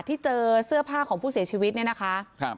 ที่เจอเสื้อผ้าของผู้เสียชีวิตเนี่ยนะคะครับ